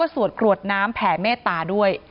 สวดกรวดน้ำแผ่เมตตาด้วย